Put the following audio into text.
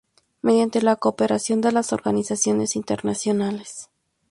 Mediante la cooperación de las organizaciones internacionales".